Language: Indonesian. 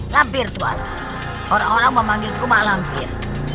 lampir tuhan orang orang memanggilku malampir